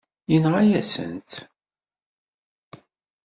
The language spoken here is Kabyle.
Yenɣa-yasen-tt.